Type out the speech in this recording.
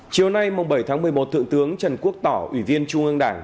chiều nay bảy tháng một mươi một thượng tướng trần quốc tỏ ủy viên trung ương đảng